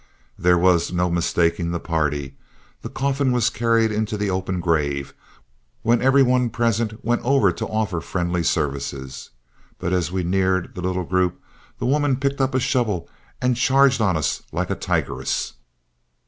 There was no mistaking the party, the coffin was carried in to the open grave, when every one present went over to offer friendly services. But as we neared the little group the woman picked up a shovel and charged on us like a tigress.